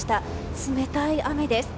冷たい雨です。